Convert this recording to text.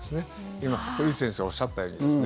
今、古市先生がおっしゃったようにですね